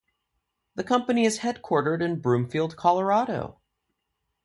The company is headquartered in Broomfield, Colorado.